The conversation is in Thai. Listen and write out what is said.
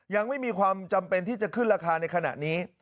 ยังไม่มีความจำเป็นที่จะขึ้นราคาในขณะนี้